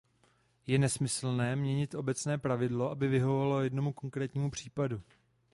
Je nesmyslné měnit obecné pravidlo, aby vyhovovalo jednomu konkrétnímu případu.